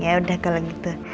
yaudah kalau gitu